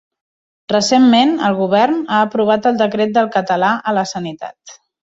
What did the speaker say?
Recentment, el govern ha aprovat el decret del català a la sanitat.